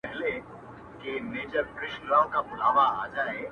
سپينه خولگۍ راپسي مه ږغوه _